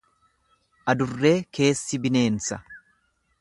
Adurree keessi bineensa.